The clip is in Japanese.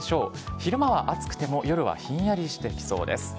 昼間は暑くても夜はひんやりしてきそうです。